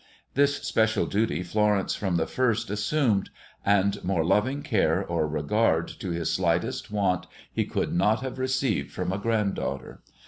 This special duty Florence from the first assumed, and more loving care or regard to his slightest want he could not have received from a granddaughter.